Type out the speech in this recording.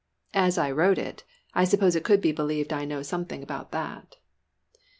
(As I wrote it, I suppose it could be believed I know something about that!)